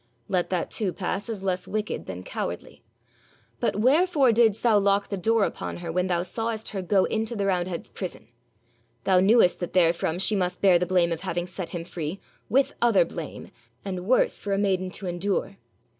'Let that too pass as less wicked than cowardly. But wherefore didst thou lock the door upon her when thou sawest her go into the roundhead's prison? Thou knewest that therefrom she must bear the blame of having set him free, with other blame, and worse for a maiden to endure?'